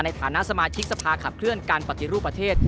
ในฐานะสมาชิกสภาขับเคลื่อนการปฏิรูปประเทศ